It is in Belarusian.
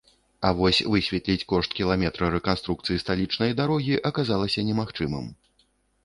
А вось высветліць кошт кіламетра рэканструкцыі сталічнай дарогі аказалася немагчымым.